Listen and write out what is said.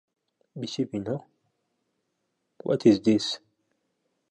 North Carolina is to the south.